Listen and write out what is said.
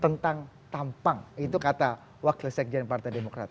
tentang tampang itu kata wakil sekjen partai demokrat